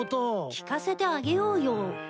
聞かせてあげようよ。